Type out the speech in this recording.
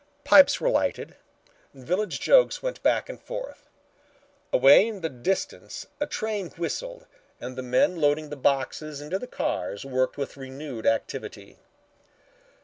Pipes were lighted. Village jokes went back and forth. Away in the distance a train whistled and the men loading the boxes into the cars worked with renewed activity.